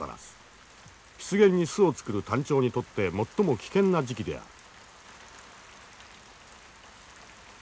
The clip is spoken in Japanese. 湿原に巣を作るタンチョウにとって最も危険な時期である。